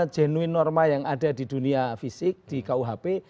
genuin norma yang ada di dunia fisik di kuhp